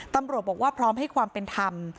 ตำรวจบอกว่าพร้อมให้ความเป็นธรรม